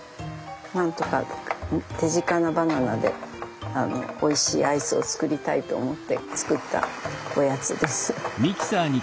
なんとか手近なバナナでおいしいアイスを作りたいと思って作ったおやつです。